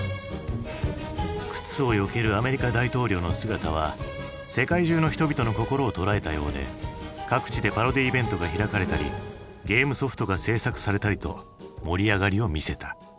靴をよけるアメリカ大統領の姿は世界中の人々の心を捉えたようで各地でパロディーイベントが開かれたりゲームソフトが制作されたりと盛り上がりを見せた。